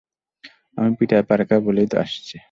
আমি Peter Parker বলেই তো আসছে।